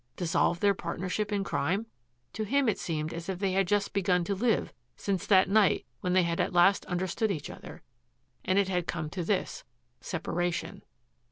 Dissolve their partnership in crime? To him it seemed as if they had just begun to live since that night when they had at last understood each other. And it had come to this separation.